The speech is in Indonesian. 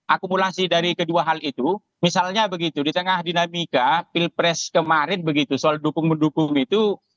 akumulasi dari kedua hal itu misalnya begitu di tengah dinamika pilpres kemarin begitu soal dukung mendukung itu